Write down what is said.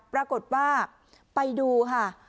ปรากฏว่าไปดูค่ะ